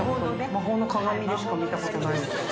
魔法のね。大島）でしか見たことないです。